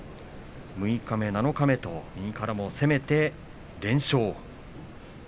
六日目、七日目と右からも攻めて連勝です。